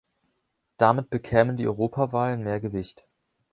Damit bekämen die Europawahlen mehr Gewicht.